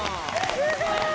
すごーい！